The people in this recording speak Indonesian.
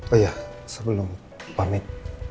oh iya sebelum pamit